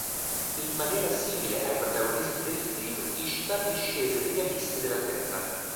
In maniera simile ai protagonisti del film, Ishtar discese negli abissi della terra.